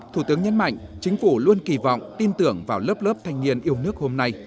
thủ tướng nhấn mạnh chính phủ luôn kỳ vọng tin tưởng vào lớp lớp thanh niên yêu nước hôm nay